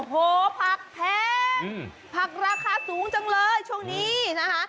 โหผักแพงผักราคาสูงจังเลยช่วงนี้นะคะ